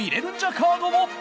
カードも